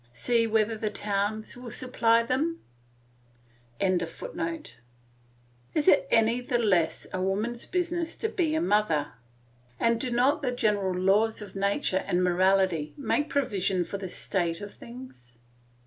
See whether the towns will supply them?] Is it any the less a woman's business to be a mother? And to not the general laws of nature and morality make provision for this state of things?